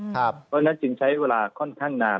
เพราะฉะนั้นจึงใช้เวลาค่อนข้างนาน